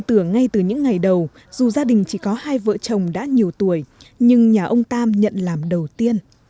của gia đình chỉ có hai vợ chồng đã nhiều tuổi nhưng nhà ông tam nhận làm đầu tiên